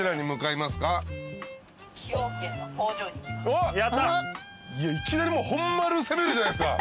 いきなり本丸攻めるじゃないっすか。